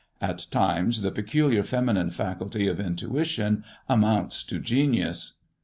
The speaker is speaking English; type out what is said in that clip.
At times the peculiar feminine faculty of intuition amounts to genius.